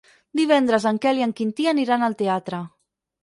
Divendres en Quel i en Quintí aniran al teatre.